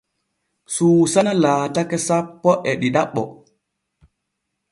Suusana laatake sappo e ɗiɗaɓo.